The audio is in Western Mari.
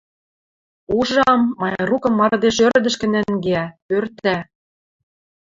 Ужам, Майрукым мардеж ӧрдӹшкӹ нӓнгеӓ, пӧртӓ.